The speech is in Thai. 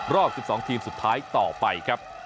รอบ๑๒ทีมสุดท้ายต่อไปครับ